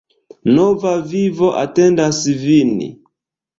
Nova vivo atendas vin!